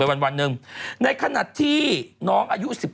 บางครั้ง